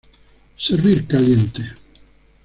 Servir caliente.